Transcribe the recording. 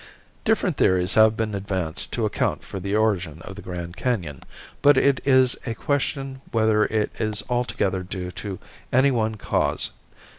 Different theories have been advanced to account for the origin of the Grand Canon, but it is a question whether it is altogether due to any one cause.